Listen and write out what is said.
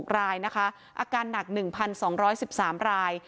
รายนะคะอาการหนัก๑๒๑๓ราย